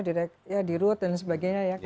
direkturnya di rut dan sebagainya ya kan